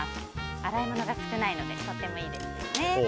洗い物が少ないのでとてもいいですね。